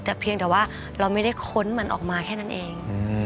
แต่เพียงแต่ว่าเราไม่ได้ค้นมันออกมาแค่นั้นเอง